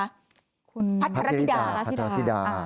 พัทรธิดา